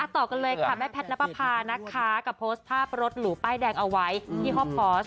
ต่อกันเลยค่ะแม่แพชนภาพานะคะกับโพสต์ภาพรถหรือป้ายไดงเอาไว้ที่ฮอบคอร์ส